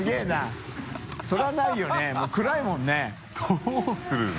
どうするの？